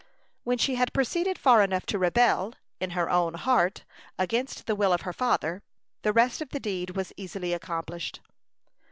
When she had proceeded far enough to rebel, in her own heart, against the will of her father, the rest of the deed was easily accomplished.